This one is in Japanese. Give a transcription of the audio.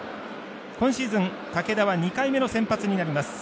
今シーズン、武田は２回目の先発になります。